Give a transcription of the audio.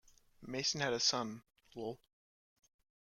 Mason had a son, Lol.